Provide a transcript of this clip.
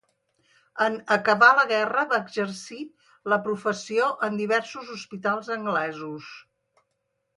En acabar la guerra va exercir la professió en diversos hospitals anglesos.